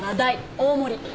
大盛り。